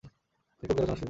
তিনি কবিতা রচনা শুরু করেন।